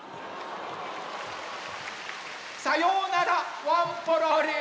さようならワンポロリン！